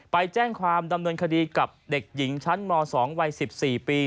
ไปแจ้งความดำเนินคดีกับเด็กหญิงชั้นม๒วัย๑๔ปี